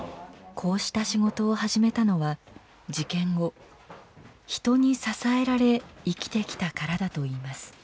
こうした仕事を始めたのは事件後人に支えられ生きてきたからだといいます。